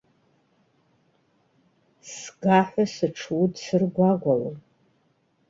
Сга ҳәа сыҽудсыргәагәалом.